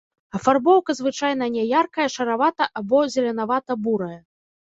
Афарбоўка звычайна няяркая шаравата- або зелянява-бурая.